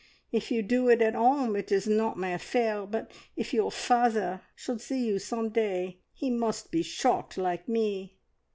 If you do it at 'ome, it is not my affair, but if your father should see you some day, he must be shocked like me!"